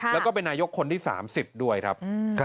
แล้วก็เป็นนายกคนที่๓๐ด้วยครับ